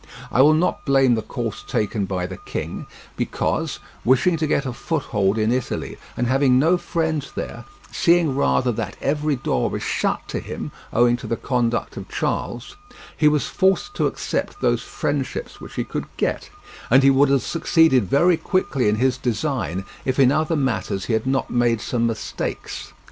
I will not blame the course taken by the king, because, wishing to get a foothold in Italy, and having no friends there—seeing rather that every door was shut to him owing to the conduct of Charles—he was forced to accept those friendships which he could get, and he would have succeeded very quickly in his design if in other matters he had not made some mistakes.